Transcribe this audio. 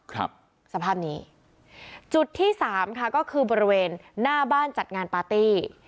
ครับสภาพนี้จุดที่สามค่ะก็คือบริเวณหน้าบ้านจัดงานปาร์ตี้